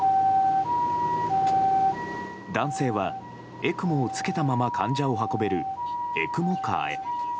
男性はＥＣＭＯを着けたまま患者を運べるＥＣＭＯＣａｒへ。